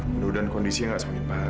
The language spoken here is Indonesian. mudah mudahan kondisinya gak semakin parah